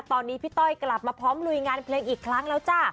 ตอนนี้พี่ต้อยกลับมาพร้อมลุยงานเพลงอีกครั้งแล้วจ้ะ